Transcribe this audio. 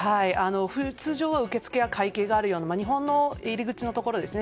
通常は受付や会計があるような日本の入り口のところですね。